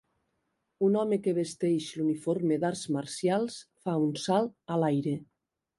Un home que vesteix l'uniforme d'arts marcials fa un salt a l'aire.